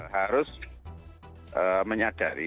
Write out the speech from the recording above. harus menyadari bahwa